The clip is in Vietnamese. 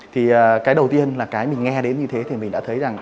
thì cái đầu tiên là cái mình nghe đến như thế thì mình đã thấy rằng